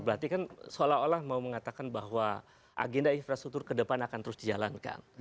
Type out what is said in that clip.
berarti kan seolah olah mau mengatakan bahwa agenda infrastruktur ke depan akan terus dijalankan